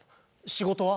仕事は？